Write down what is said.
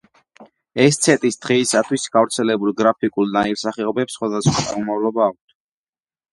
ესცეტის დღეისათვის გავრცელებულ გრაფიკულ ნაირსახეობებს სხვადასხვა წარმომავლობა აქვთ.